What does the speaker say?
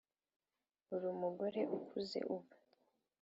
ur'umugore ukuze ubu;